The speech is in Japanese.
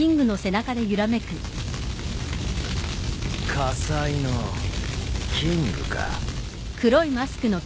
火災のキングか。